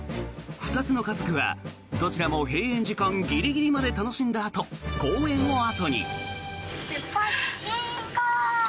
２つの家族はどちらも閉園時間ギリギリまで楽しんだあと公園を後に。